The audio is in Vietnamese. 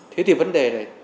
thế thì vấn đề là